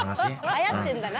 はやってんだな。